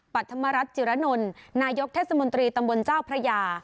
ปัธมรัฐจิรนลนายกเทศมนตรีตำบลเจ้าพระยา